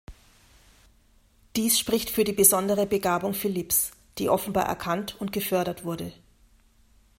Dies spricht für die besondere Begabung Philippes, die offenbar erkannt und gefördert wurde.